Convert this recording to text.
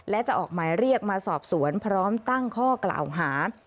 และจะออกหมายเรียกมาสอบสวนพร้อมตั้งข้อกล่าวหา